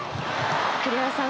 栗原さん